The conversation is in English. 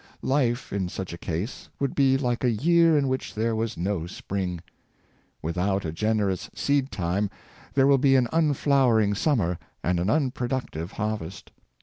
Life, in such a case, would be like a year in which there was no spring. Without a generous seed time, there 624 Romance and Reality, will be an unflowering summer and an unproductive harvest.